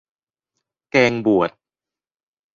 แกงบวด